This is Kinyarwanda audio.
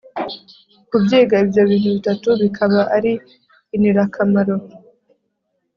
kubyiga ibyo bintu bitatu bikaba ari inirakamaro.